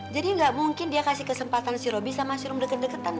jadi gak mungkin dia kasih kesempatan si robi sama si rum deket deketan